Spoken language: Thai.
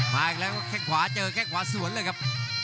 อีกแล้วแค่งขวาเจอแค่งขวาสวนเลยครับ